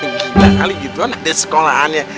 tiga kali gitu kan ada sekolahannya